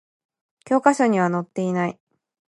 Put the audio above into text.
教科書には載っていない